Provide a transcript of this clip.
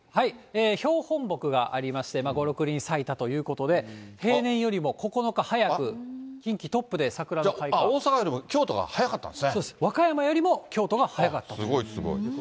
標本木がありまして、５、６輪咲いたということで、平年よりも９日早く、大阪よりも京都が早かったんそうです、和歌山よりも京都すごいすごい。